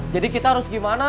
jadi kita harus gimana